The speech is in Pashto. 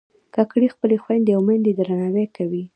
کاکړي خپلې خویندې او میندې درناوي کوي.